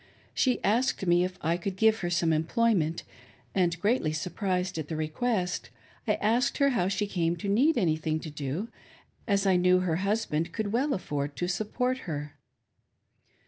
She asked me if I would give her some employ ment, and, greatly surprised at the request, I asked her how she came to need anything to do, as I knew her husband could well afford to support her.